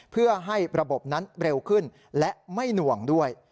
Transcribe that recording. เพื่อให้ระบบนั้นเร็วขึ้นและไม่หน่วงด้วย